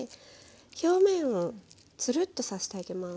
表面をつるっとさせてあげます。